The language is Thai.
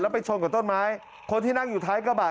ไปชนกับต้นไม้คนที่นั่งอยู่ท้ายกระบะ